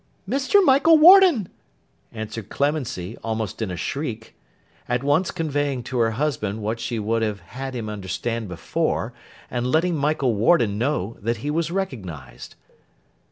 'Mr. Michael Warden!' answered Clemency, almost in a shriek: at once conveying to her husband what she would have had him understand before, and letting Michael Warden know that he was recognised.